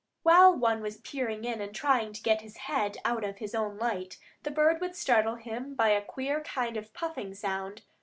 While one was peering in and trying to get his head out of his own light, the bird would startle him by a queer kind of puffing sound.